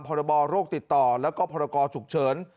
พบโรคติดต่อและพกฉุกเฉิน